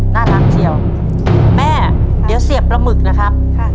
น่ารักเชียวแม่เดี๋ยวเสียบปลาหมึกนะครับค่ะ